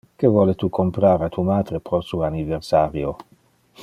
Que vole tu comprar a tu matre pro su anniversario?